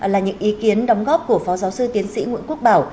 là những ý kiến đóng góp của phó giáo sư tiến sĩ nguyễn quốc bảo